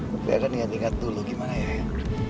pak pi akan ingat ingat dulu gimana ya ya